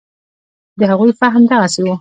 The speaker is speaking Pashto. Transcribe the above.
د هغوی فهم دغسې و.